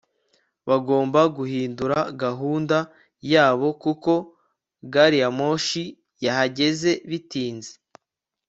bagombaga guhindura gahunda yabo kuko gari ya moshi yahageze bitinze